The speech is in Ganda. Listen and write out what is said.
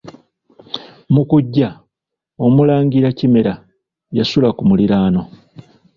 Mu kujja, omulangira Kimera yasula ku muliraano.